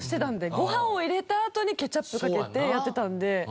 ご飯を入れたあとにケチャップかけてやってたんで。